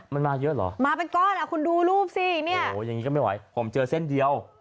มันมาเยอะเหรอมาเป็นก้อนอ่ะคุณดูรูปสิเนี่ยโอ้โหอย่างนี้ก็ไม่ไหวผมเจอเส้นเดียว